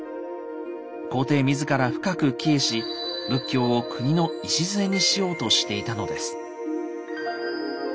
皇帝自ら深く帰依し仏教を国の礎にしようとしていたのです。